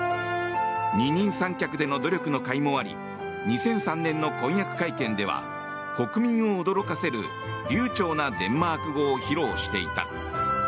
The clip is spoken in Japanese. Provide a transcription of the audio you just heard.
二人三脚での努力のかいもあり２００３年の婚約会見では国民を驚かせる流ちょうなデンマーク語を披露していた。